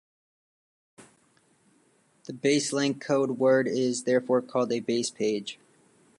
The base link code word is therefore called a base page.